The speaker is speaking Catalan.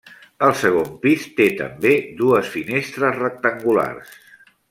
El segon pis té també dues finestres rectangulars.